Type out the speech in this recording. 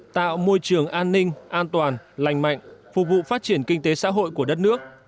tạo môi trường an ninh an toàn lành mạnh phục vụ phát triển kinh tế xã hội của đất nước